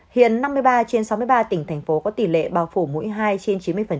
hiện năm mươi ba trên sáu mươi ba tỉnh thành phố có tỷ lệ bào phủ mũi hai trên chín mươi